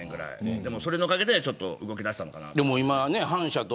でも、それのおかげでちょっと動きだしたのかなと。